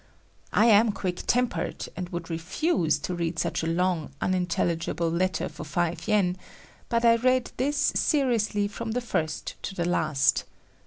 I am quick tempered and would refuse to read such a long, unintelligible letter for five yen, but I read this seriously from the first to the last.